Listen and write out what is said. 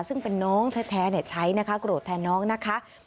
ซึ่งเป็นน้องแท้ใช้นะคะโกรธแทนน้องนะคะ